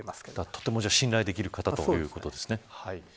とても信頼できる方ということですね。